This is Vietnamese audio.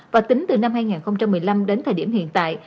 và tính từ năm hai nghìn một mươi năm đến thời điểm hiện tại